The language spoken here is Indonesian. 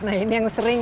nah ini yang sering